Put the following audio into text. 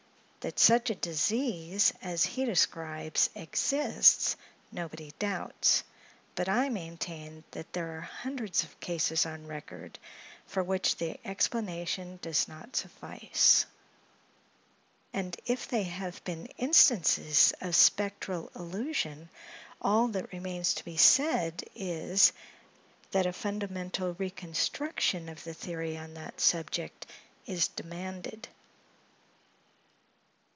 That such a disease, as he describes, exists, nobody doubts; but I maintain that there are hundreds of cases on record, for which the explanation does not suffice; and if they have been instances of spectral illusion, all that remains to be said, is, that a fundamental reconstruction of the theory on that subject is demanded.